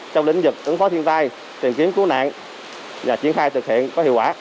trong lĩnh vực ứng phó thiên tai tìm kiếm cứu nạn và triển khai thực hiện có hiệu quả